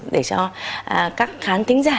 để cho các khán tính giả